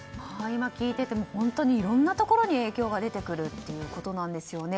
今、聞いていても本当にいろんなところに影響が出てくるということなんですね。